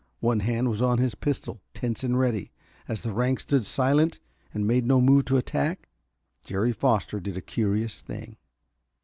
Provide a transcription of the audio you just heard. One hand was on his pistol, tense and ready. As the ranks stood silent and made no move to attack, Jerry Foster did a curious thing.